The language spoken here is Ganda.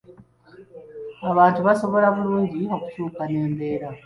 Abantu basobola bulungi okukyuka n’embeera.